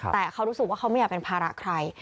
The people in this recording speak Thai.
แต่เขารู้สึกว่าเขาไม่อยากเป็นภาระใคร